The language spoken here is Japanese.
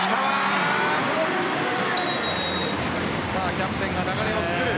キャプテンが流れを作る。